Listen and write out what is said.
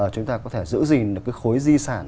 chúng ta có thể giữ gìn được cái khối di sản